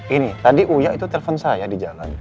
ini tadi uya itu telfon saya di jalan